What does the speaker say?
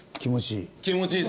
気持ちいい。